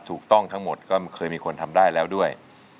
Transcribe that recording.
ถูกต้องทั้งหมดก็เคยมีคนทำได้แล้วด้วย